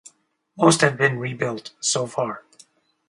Most have been rebuilt so for.